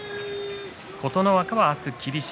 琴ノ若、明日は霧島。